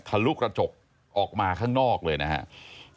ลุกระจกออกมาข้างนอกเลยนะครับ